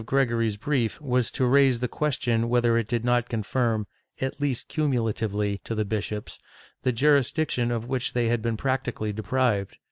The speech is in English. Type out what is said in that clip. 102 SOLICITATION [Book VIII Gregory's brief was to raise the question whether it did not confirm, at least cumulatively, to the bishops the jurisdiction of which they had been practically deprived.